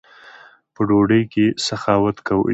په ډوډۍ کښي سخاوت کوئ!